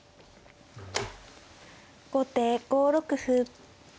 後手５六歩。